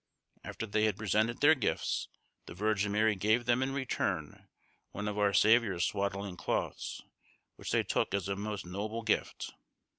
After they had presented their gifts, the Virgin Mary gave them in return one of our Saviour's swaddling clothes, which they took as a most noble gift.